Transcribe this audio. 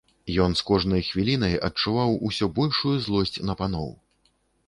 Ён з кожнай хвілінай адчуваў усё большую злосць на паноў.